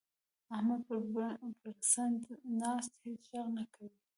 احمد پړسنده ناست؛ هيڅ ږغ نه کوي.